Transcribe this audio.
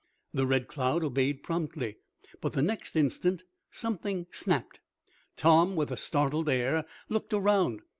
The Red Cloud obeyed promptly, but, the next instant something snapped. Tom, with a startled air, looked around.